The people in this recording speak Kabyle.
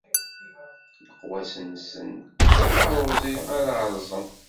Leqwas-nsen, d taruẓi ara rẓen.